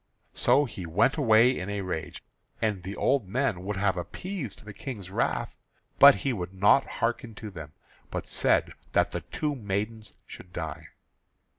So he went away in a rage; and the old men would have appeased the King's wrath, but he would not hearken to them, but said that the two maidens should die.